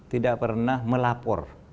tidak pernah melapor